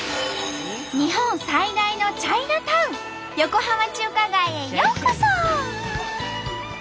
日本最大のチャイナタウン横浜中華街へようこそ！